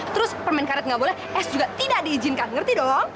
terus permen karet nggak boleh s juga tidak diizinkan ngerti dong